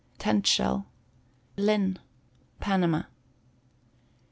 Tent Shell. Linn. Panama.